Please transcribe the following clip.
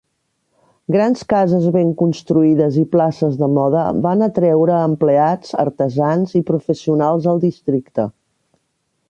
Grans cases ben construïdes i places de moda van atreure a empleats, artesans i professionals al districte.